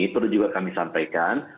perlu juga kami sampaikan